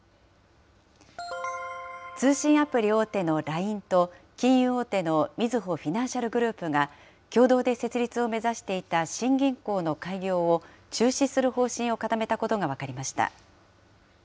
通信アプリ大手のＬＩＮＥと、金融大手のみずほフィナンシャルグループが、共同で設立を目指していた新銀行の開業を中止する方針を固めたことが分かりました。